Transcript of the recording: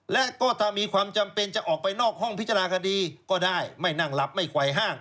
และก็ถ้ามีความจำเป็นจะออกไปนอกห้องพิจารณาคดีก็ได้ไม่นั่งหลับไม่ไกลห้าง